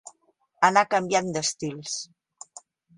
Anà canviant d'estils.